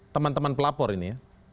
teman teman pelapor ini